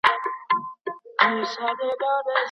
هر کور باید د مرستو بکس ولري؟